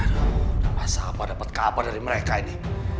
aduh udah masa apa dapet kabar dari mereka ini